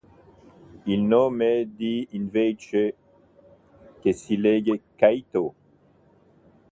Il nome di è invece 快斗, che si legge "Kaito".